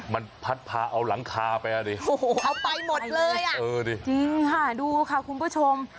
มันพัดพาเอาหลังคาไปอ่ะดิโอ้โหเอาไปหมดเลยอ่ะเออดิจริงค่ะดูค่ะคุณผู้ชม